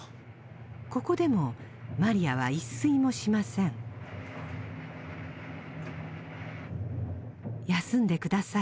ここでもマリアは一睡もしません「休んでください」